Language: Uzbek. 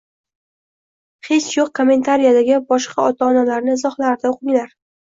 Hech yoʻq kommentariyadagi boshqa ota-onalarni izohlarini oʻqinglar.